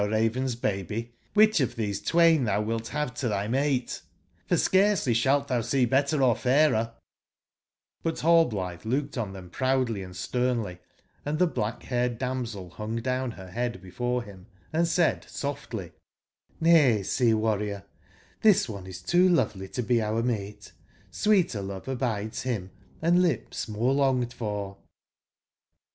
Raven's baby, wbicb of tbesc twain tbou wilt bave 72 to tby mate; for scarcely sbalt tbou sec better or fairer"j^But Rallblitbe looked on tbcm proudly andstcrnly, and tbeblach/baired damsel bungdown ber bead before bim and said softly: '')Vay, nay, ,sea/warrior; tbis one is too lovely to be our mate. *^ Sweeter love abides bim, and lips more longed for."